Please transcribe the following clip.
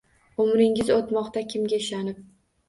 Umringiz o’tmoqda kimga ishonib?